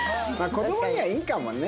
子供にはいいかもね。